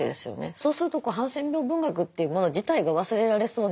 そうするとハンセン病文学というもの自体が忘れられそうになっている。